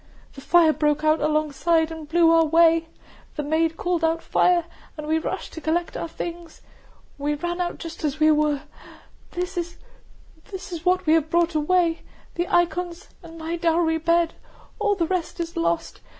"The fire broke out alongside, and blew our way, the maid called out 'Fire!' and we rushed to collect our things. We ran out just as we were.... This is what we have brought away.... The icons, and my dowry bed, all the rest is lost.